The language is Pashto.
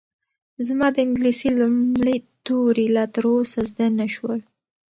زما د انګلیسي لومړي توري لا تر اوسه زده نه شول.